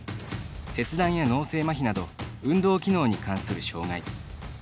切断や脳性まひなど運動機能に関する障がい。